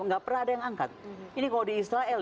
nggak pernah ada yang angkat ini kalau di israel